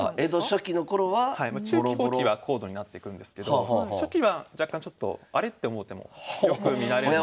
中期後期は高度になっていくんですけど初期は若干ちょっとあれ？って思う手もよく見られるんで。